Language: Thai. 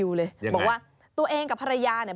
เลยบอกว่าตัวเองกับภรรยาเนี่ย